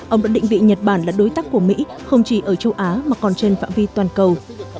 ông đã định vị nhật bản là đối tác của mỹ không chỉ ở châu á mà còn trên phạm vi toàn cầu